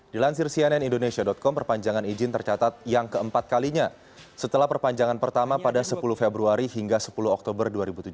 dilansir cnn indonesia com perpanjangan izin tercatat yang keempat kalinya setelah perpanjangan pertama pada sepuluh februari hingga sepuluh oktober dua ribu tujuh belas